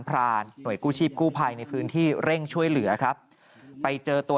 พรานหน่วยกู้ชีพกู้ภัยในพื้นที่เร่งช่วยเหลือครับไปเจอตัว